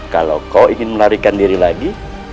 kalau kau ingin melarikan diri lagi